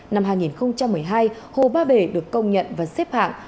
năm hai nghìn một mươi hai hồ ba bể được công nhận và xếp hạng